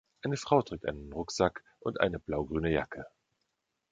Eine Frau trägt einen Rucksack und eine blaugrüne Jacke.